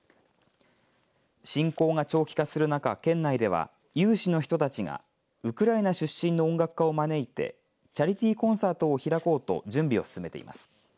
侵攻が長期化する中県内では有志の人たちがウクライナ出身の音楽家を招いてチャリティーコンサートを開こうと準備を進めています。